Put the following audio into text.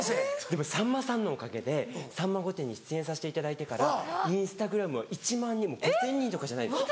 でもさんまさんのおかげで『さんま御殿‼』に出演させていただいてからＩｎｓｔａｇｒａｍは１万人も５０００人とかじゃないです。